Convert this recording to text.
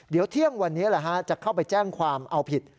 เดี๋ยวเที่ยงวันนี้จะเข้าไปแจ้งความเอาผิด